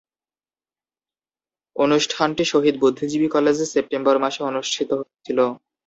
অনুষ্ঠানটি শহীদ বুদ্ধিজীবী কলেজে সেপ্টেম্বর মাসে অনুষ্ঠিত হয়েছিলো।